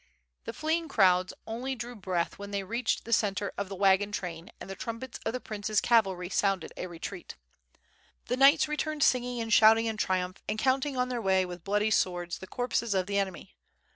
The fleeing crowds only drew breath when they reached the centre of the wagon train and the trumpets of the prince's cavalry sounded a retreat. The knights returned singing ai^d shouting in triumph, and counting on their way with bloody swords the corpses of the enemy.